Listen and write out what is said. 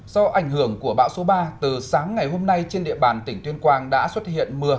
do ảnh hưởng của bão số ba từ sáng ngày hôm nay trên địa bàn tỉnh tuyên quang đã xuất hiện mưa